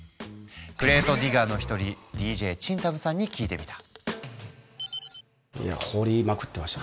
クレートディガーの一人ＤＪＣＨＩＮＴＡＭさんに聞いてみた。